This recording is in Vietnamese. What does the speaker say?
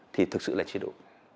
thì thực sự là chưa đủ